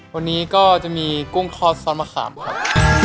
วันนี้ก็จะมีกุ้งทอดซอสมะขามครับ